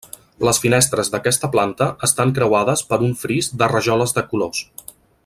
Les finestres d'aquesta planta estan creuades per un fris de rajoles de colors.